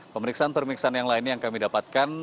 pemeriksaan pemeriksaan yang lainnya yang kami dapatkan